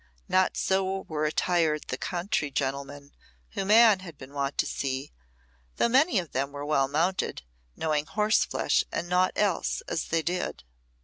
Not so were attired the country gentry whom Anne had been wont to see, though many of them were well mounted, knowing horseflesh and naught else, as they did.